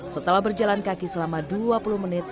setelah berjalan kaki selama dua puluh menit